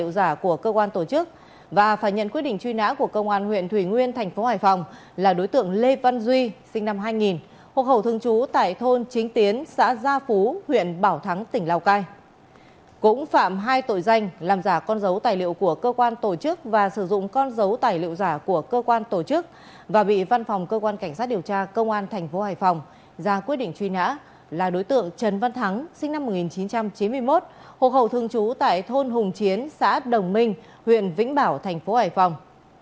già quyết định truy nã là đối tượng trần văn thắng sinh năm một nghìn chín trăm chín mươi một hộp hậu thường trú tại thôn hùng chiến xã đồng minh huyện vĩnh bảo tp hải phòng